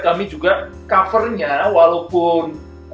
kami juga covernya walaupun